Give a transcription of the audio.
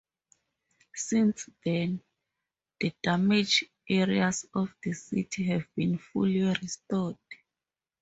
Since then, the damaged areas of the city have been fully restored.